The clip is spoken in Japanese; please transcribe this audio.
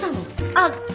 あっ。